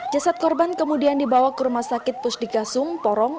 jasad korban kemudian dibawa ke rumah sakit pusdikasung porong